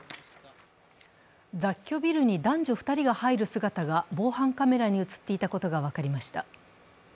雑居ビルに男女２人が入る姿が防犯カメラに映っていたことが分かりました。